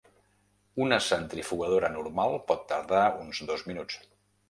Una centrifugadora normal pot tardar uns dos minuts.